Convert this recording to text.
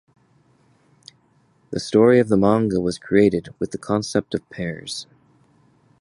The story of the manga was created with the concept of pairs.